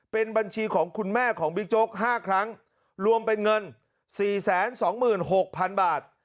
เป็นบัญชีของคุณแม่ของบิ๊กโจ๊ก๕ครั้งรวมเป็นเงิน๔๒๖๐๐๐บาท